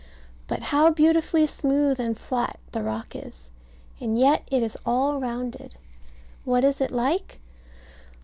But how beautifully smooth and flat the rock is: and yet it is all rounded. What is it like?